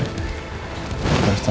harus tenang disana